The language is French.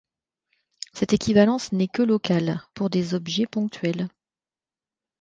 Cette équivalence n'est que locale, pour des objets ponctuels.